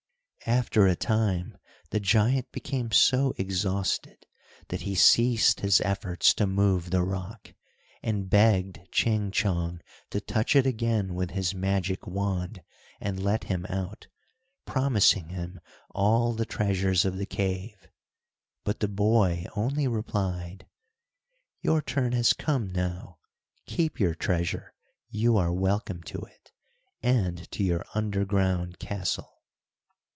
After a time the giant became so exhausted that he ceased his efforts to move the rock, and begged Ching Chong to touch it again with his magic wand, and let him out, promising him all the treasures of the cave; but the boy only replied: "Your turn has come now, keep your treasure, you are welcome to it, and to your underground castle."